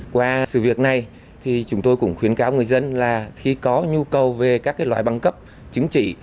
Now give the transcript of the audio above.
qua sự việc này thì chúng tôi cũng khuyến cáo người dân là khi có nhu cầu về các loại băng cấp chứng chỉ